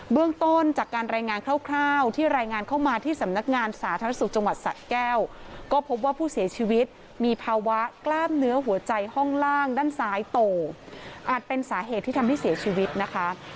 เรื่องต้นจากการรายงานคร่าวที่รายงานเข้ามาที่สำนักงานสาธารณสุขจังหวัดสะแก้วก็พบว่าผู้เสียชีวิตมีภาวะกล้ามเนื้อหัวใจห้องล่างด้านซ้ายโตอาจเป็นสาเหตุที่ทำให้เสียชีวิตนะคะ